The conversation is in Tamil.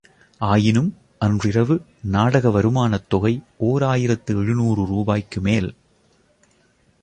ஆயினும், அன்றிரவு நாடக வருமானத் தொகை ஓர் ஆயிரத்து எழுநூறு ரூபாய்க்குமேல்!